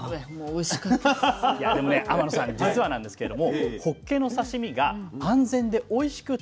いやでもね天野さん実はなんですけれどもほっけの刺身が安全でおいしく食べられる。